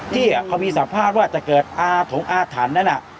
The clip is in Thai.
ที่เขามีสัมภาษณ์ว่าจะเกิดอาถงอาถรรพ์นั้น